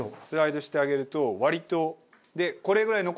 スライドしてあげると割と。